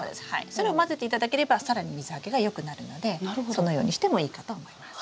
それを混ぜていただければ更に水はけがよくなるのでそのようにしてもいいかと思います。